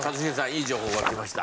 いい情報が来ました。